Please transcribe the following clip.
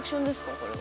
これは。